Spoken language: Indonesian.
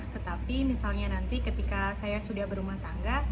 tetapi misalnya nanti ketika saya sudah berumah tangga